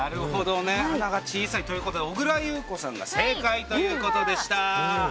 穴が小さいということで小倉優子さんが正解ということでした。